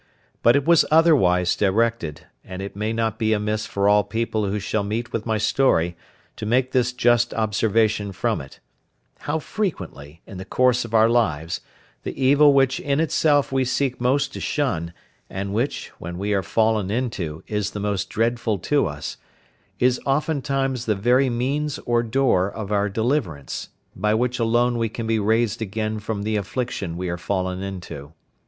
But it was otherwise directed; and it may not be amiss for all people who shall meet with my story to make this just observation from it: How frequently, in the course of our lives, the evil which in itself we seek most to shun, and which, when we are fallen into, is the most dreadful to us, is oftentimes the very means or door of our deliverance, by which alone we can be raised again from the affliction we are fallen into.